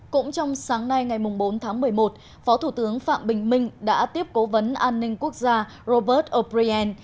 cũng trong sáng nay ngày bốn tháng một mươi một phó thủ tướng phạm bình minh đã tiếp cố vấn an ninh quốc gia robert o brien